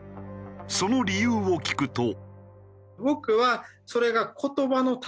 その理由を聞くと。